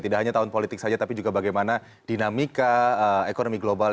tidak hanya tahun politik saja tapi juga bagaimana dinamika ekonomi global